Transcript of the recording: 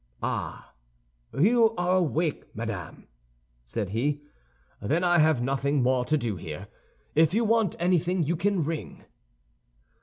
"Ah, you are awake, madame," he said; "then I have nothing more to do here. If you want anything you can ring."